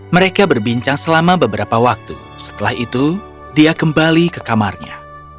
mereka berbincang selama beberapa waktu setelah itu dia kembali ke kamarnya